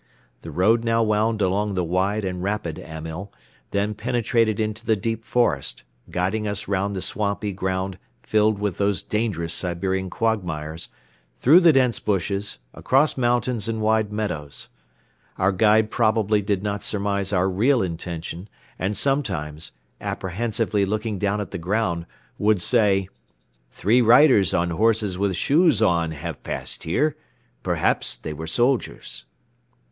The road now wound along the wide and rapid Amyl, then penetrated into the deep forest, guiding us round the swampy ground filled with those dangerous Siberian quagmires, through the dense bushes, across mountains and wide meadows. Our guide probably did not surmise our real intention and sometimes, apprehensively looking down at the ground, would say: "Three riders on horses with shoes on have passed here. Perhaps they were soldiers."